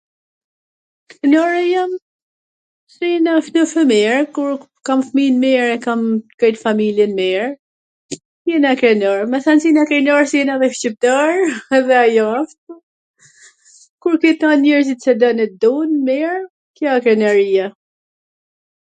krenare jam se jena t gjithve mir, kur kam fmijn mir e kam krejt familjen mir, jena krenar, me than qw jena krenar se jena dhe shqiptar, edhe ajo asht, kur ke tan njerzit qw don e t dun, mir, kjo a krenaria